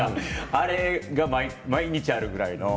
それが毎日あるぐらいの。